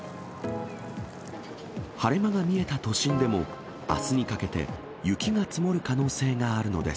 晴れ間が見えた都心でも、あすにかけて雪が積もる可能性があるのです。